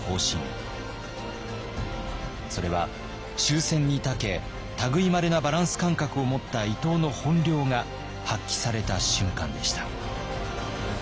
それは周旋にたけ類いまれなバランス感覚を持った伊藤の本領が発揮された瞬間でした。